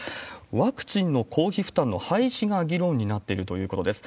ワクチンの公費負担の廃止が議論になっているということです。